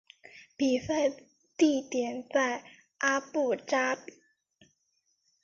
比赛地点在阿布扎比。